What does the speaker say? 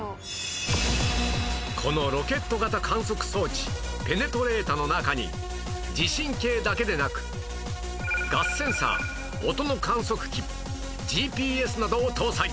このロケット型観測装置ペネトレータの中に地震計だけでなくガスセンサー音の観測機 ＧＰＳ などを搭載